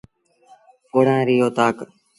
پوڙآ ريٚ اوتآڪ۔